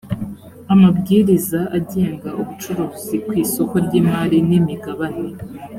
amabwiriza agenga ubucuruzi ku isoko ry imari n imigabane